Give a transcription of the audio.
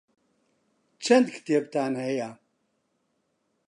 چەند کتێبتان هەیە؟